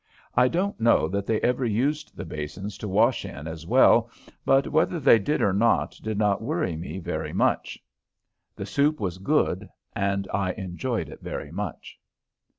I don't know that they ever used the basins to wash in as well, but whether they did or not did not worry me very much. The soup was good and I enjoyed it very much.